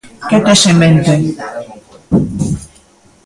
Que tes en mente?